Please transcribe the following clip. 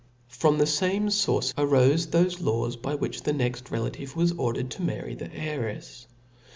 From the fame fource arofe thofe laws by which the next relation was ordered to marry the heirefs.